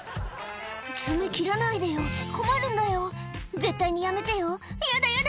「爪切らないでよ困るんだよ絶対にやめてよヤダヤダ」